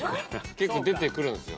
結構出てくるんですよ。